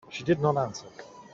She did not answer.